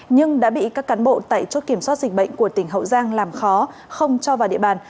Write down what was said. nhưng đã bị các cán bộ tại chốt kiểm soát dịch bệnh của tỉnh hậu giang làm khó không cho vào địa bàn